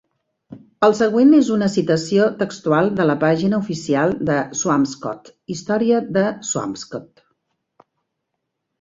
El següent és una citació textual de la pàgina oficial de Swampscott: història de Swampscott.